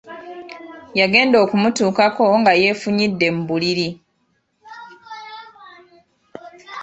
Yagenda okumutuukako nga yeefunyidde mu buliri.